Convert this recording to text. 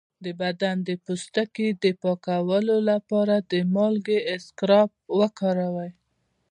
د بدن د پوستکي د پاکولو لپاره د مالګې اسکراب وکاروئ